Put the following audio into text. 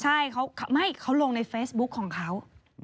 ใช่เขาลงในเฟซบุ๊คของเขา